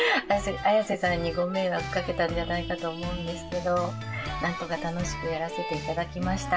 綾瀬さんにご迷惑かけたんじゃないかと思うんですけど、なんとか楽しくやらせていただきました。